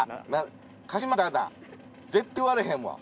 絶対言われへんわ。